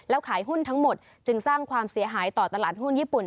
ขายหุ้นทั้งหมดจึงสร้างความเสียหายต่อตลาดหุ้นญี่ปุ่น